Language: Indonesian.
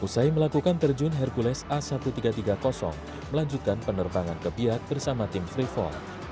usai melakukan terjun hercules a seribu tiga ratus tiga puluh melanjutkan penerbangan ke biak bersama tim free fall